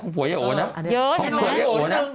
ของผัวเยอะโอนะเยอะเห็นไหม